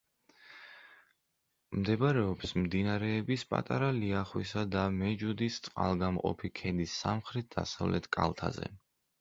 მდებარეობს მდინარეების პატარა ლიახვისა და მეჯუდის წყალგამყოფი ქედის სამხრეთ-დასავლეთ კალთაზე.